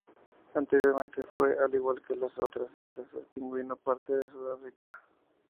Anteriormente, fue, al igual que las otras islas del pingüino parte de Sudáfrica.